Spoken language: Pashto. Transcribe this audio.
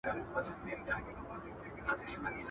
یا به مري یا به یې بل څوک وي وژلی.